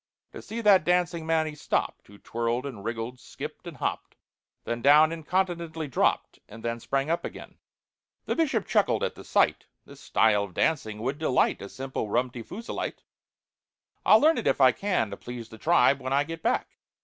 To see that dancing man he stopped, Who twirled and wriggled, skipped and hopped, Then down incontinently dropped, And then sprang up again. The Bishop chuckled at the sight. "This style of dancing would delight A simple Rum ti Foozleite. I'll learn it if I can, To please the tribe when I get back."